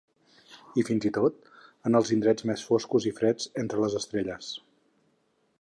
I fins i to en els indrets més foscos i freds entre les estrelles.